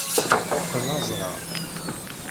Teqqen azrar.